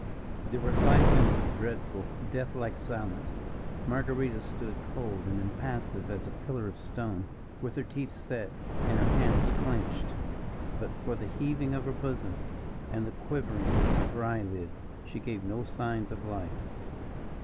There were five minutes' dreadful, death like silence. Marguerita stood cold and impassive as a pillar of stone, with her teeth set and her hands clenched. But for the heaving of her bosom and the quivering of her eyelid, she gave no signs of life.